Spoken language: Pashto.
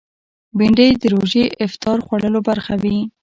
بېنډۍ د روژې افطار خوړلو برخه وي